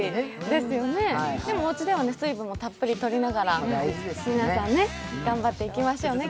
でも、おうちでは水分をたっぷりとりながら、皆さん、今日も頑張っていきましょうね。